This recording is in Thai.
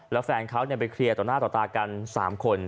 แล้วแฟนเขาไปเคลียร์ต่อหน้าต่อตากัน๓คน